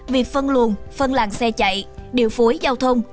việc phân luồn phân làng xe chạy điều phối giao thông